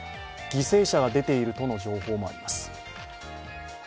犠牲者が出ているとの情報もあります。